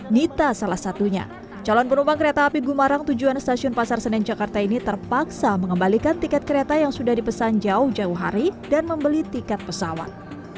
nita salah satunya calon penumpang kereta api gumarang tujuan stasiun pasar senen jakarta ini terpaksa mengembalikan tiket kereta yang sudah dipesan jauh jauh hari dan membeli tiket pesawat